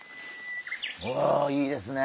おいいですね。